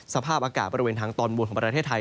สภาพอากาศบริเวณทางตอนบนของประเทศไทย